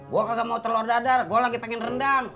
gue kagak mau telur dadar gue lagi pengen rendam